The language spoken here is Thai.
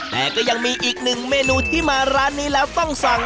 แต่ก็ยังมีอีกหนึ่งเมนูที่มาร้านนี้แล้วต้องสั่ง